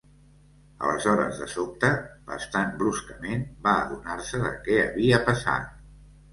Aleshores de sobte, bastant bruscament, va adonar-se de què havia passat.